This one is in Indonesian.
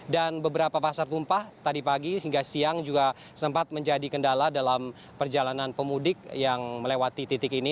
dan beberapa pasar tumpah tadi pagi hingga siang juga sempat menjadi kendala dalam perjalanan pemudik yang melewati titik ini